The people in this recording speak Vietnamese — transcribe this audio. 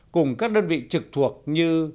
cùng các đơn vị trực thuộc như